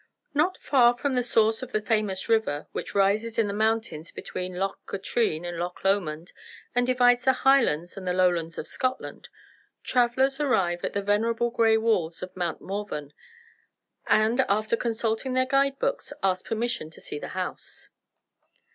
NOT far from the source of the famous river, which rises in the mountains between Loch Katrine and Loch Lomond, and divides the Highlands and the Lowlands of Scotland, travelers arrive at the venerable gray walls of Mount Morven; and, after consulting their guide books, ask permission to see the house.